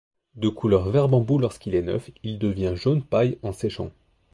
De couleur vert bambou lorsqu'il est neuf, il devient jaune paille en séchant.